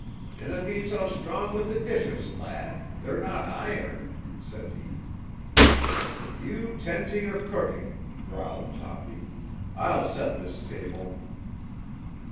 "Dinna be so strong with the dishes, lad; they're not iron," said he. "You 'tend to your cooking," growled Toppy. "I'll set this table."